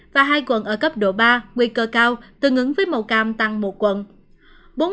và hai quận ở cấp độ ba nguy cơ cao tương ứng với màu cam tăng một quận